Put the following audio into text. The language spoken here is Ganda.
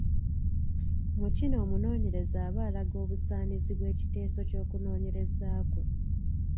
Mu kino omunoonyereza aba alaga obusaanizi bw’ekiteeso ky’okunoonyereza kwe.